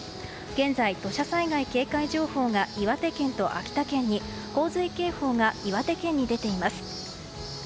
現在、土砂災害警戒情報が岩手県と秋田県に洪水警報が岩手県に出ています。